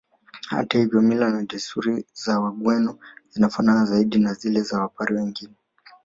Hata hivyo mila na desturi za Wagweno zinafanana zaidi na zile za Wapare wengine